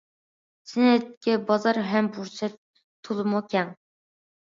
سەنئەتكە بازار ھەم پۇرسەت تولىمۇ كەڭ.